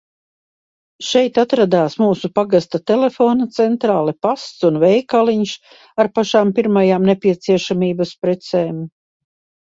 Šeit atradās mūsu pagasta telefona centrāle, pasts un veikaliņš ar pašām pirmajām nepieciešamības precēm.